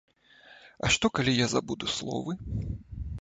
А што, калі я забуду словы?